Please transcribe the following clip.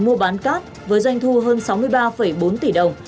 mua bán cát với doanh thu hơn sáu mươi ba bốn tỷ đồng